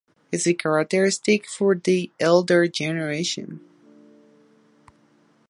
It is characteristic for the elder generation.